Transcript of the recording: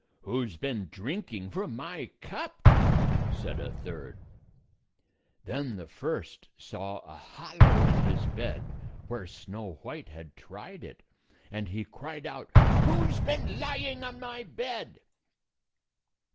"Who's been drinking from my cup?" said a third. Then the first saw a hollow in his bed where Snow White had tried it, and he cried out, "Who 's been lying on my bed?"